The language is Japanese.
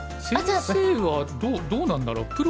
先生はどうなんだろう？